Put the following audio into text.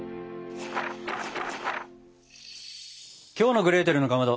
きょうの「グレーテルのかまど」